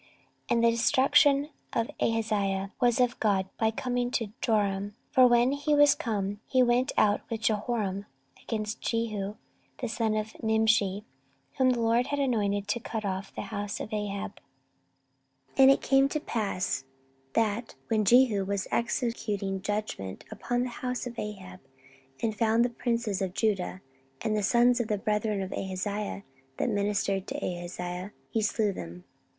14:022:007 And the destruction of Ahaziah was of God by coming to Joram: for when he was come, he went out with Jehoram against Jehu the son of Nimshi, whom the LORD had anointed to cut off the house of Ahab. 14:022:008 And it came to pass, that, when Jehu was executing judgment upon the house of Ahab, and found the princes of Judah, and the sons of the brethren of Ahaziah, that ministered to Ahaziah, he slew them.